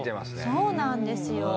そうなんですよ。